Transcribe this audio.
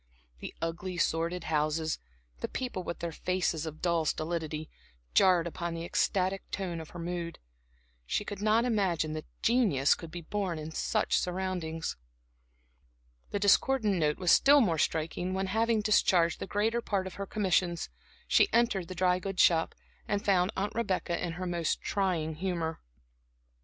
The ugly, sordid houses, the people with their faces of dull stolidity, jarred upon the ecstatic tone of her mood. She could not imagine that genius could be born in such surroundings. The discordant note was still more striking when, having discharged the greater part of her commissions, she entered the dry goods shop, and found Aunt Rebecca in her most trying humor.